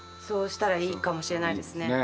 そうしたらいいかもしれないですね。